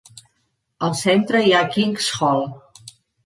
Al centre hi ha King's Hall.